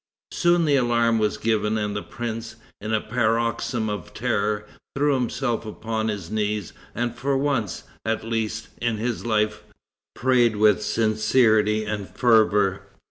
Soon the alarm was given, and the prince, in a paroxysm of terror, threw himself upon his knees, and for once, at least, in his life, prayed with sincerity and fervor.